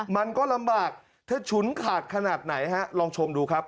มันก็ลำบากเธอฉุนขาดขนาดไหนฮะลองชมดูครับ